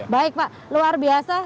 baik pak luar biasa